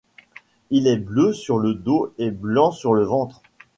Il est bleu sur le dos et blanc sur le ventre.